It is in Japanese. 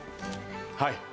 はい。